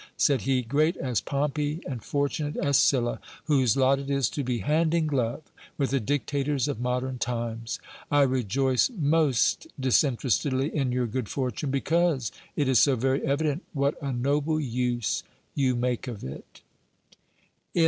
said he, great as Pompey and fortunate as Sylla, whose lot it is to be hand in glove with the dictators of modern times ! I rejoice most disinterestedly in your good fortune, because it is so very evident what a noble use you make of it. Ch.